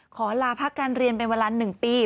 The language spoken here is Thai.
ขอลาพักการเรียนเป็นเวลา๑ปี